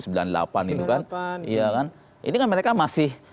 ini kan mereka masih